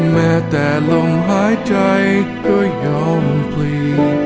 แม้แต่ลมหายใจก็ยอมฟรี